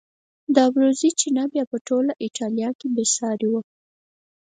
د ابروزي چینه بیا په ټوله ایټالیا کې بې سارې وه.